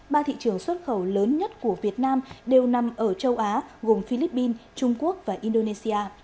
ba thị trường xuất khẩu lớn nhất của việt nam đều nằm ở châu á gồm philippines trung quốc và indonesia